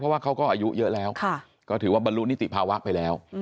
เพราะว่าเขาก็อายุเยอะแล้วก็ถือว่าบรรลุนิติภาวะไปแล้ว